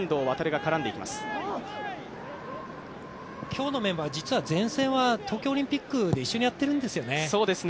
今日のメンバー前線は東京オリンピックで一緒にやってるんですよね。